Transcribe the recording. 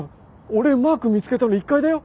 俺マーク見つけたの１階だよ？